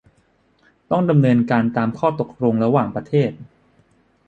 ต้องดำเนินการตามข้อตกลงระหว่างประเทศ